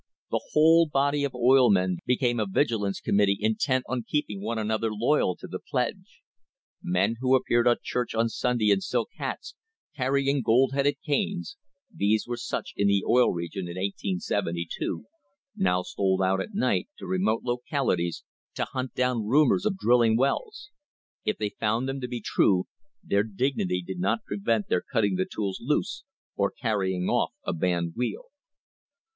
The whole body of oil men became a vigilance committee intent on keep ing one another loyal to the pledge. Men who appeared at church on Sunday in silk hats, carrying gold headed canes — there were such in the Oil Region in 1872 — now stole out at night to remote localities to hunt down rumours of drilling wells. If they found them true, their dignity did not prevent their cutting the tools loose or carrying off a band wheel.